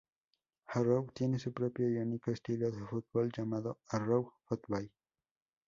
Harrow tiene su propio y único estilo de fútbol llamado Harrow Football.